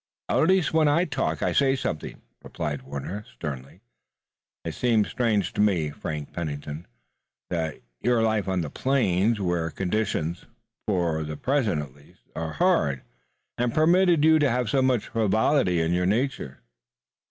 "At least when I talk I say something," replied Warner sternly. "It seems strange to me, Frank Pennington, that your life on the plains, where conditions, for the present at least, are hard, has permitted you to have so much frivolity in your nature."